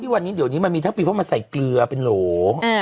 อ๋อวันนี้เดี๋ยวมันมีทั้งปีเพราะว่ามาใส่เกลือเป็นโหลง